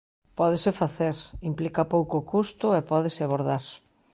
Pódese facer, implica pouco custo e pódese abordar.